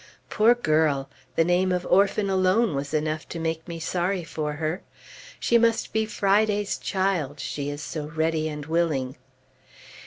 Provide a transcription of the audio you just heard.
Poor girl! the name of orphan alone was enough to make me sorry for her. She must be "Friday's child"! she is so "ready and willing."